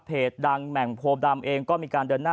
ดังแหม่งโพดำเองก็มีการเดินหน้า